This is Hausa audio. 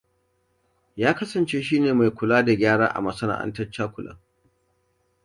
Ya kasance shi ne mai kula da gyara a masana'antar cakulan.